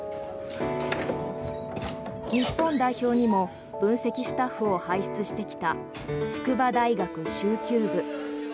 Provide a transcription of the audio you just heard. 日本代表にも分析スタッフを輩出してきた筑波大学蹴球部。